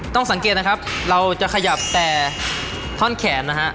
ต้องสังเกตนะครับเราจะขยับแต่ท่อนแขนนะฮะ